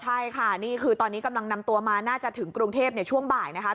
ใช่ค่ะนี่คือตอนนี้กำลังนำตัวมาน่าจะถึงกรุงเทพช่วงบ่ายนะคะ